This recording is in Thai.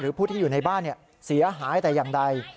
ผู้ที่อยู่ในบ้านเสียหายแต่อย่างใด